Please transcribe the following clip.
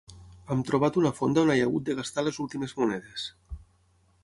Hem trobat una fonda on he hagut de gastar les últimes monedes.